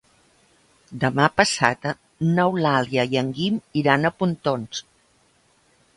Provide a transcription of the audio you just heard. Demà passat n'Eulàlia i en Guim iran a Pontons.